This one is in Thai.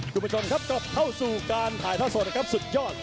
คุณผู้ชมครับกลับเข้าสู่การถ่ายท่อสดนะครับสุดยอด